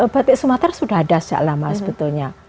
batik sumatera sudah ada sejak lama sebetulnya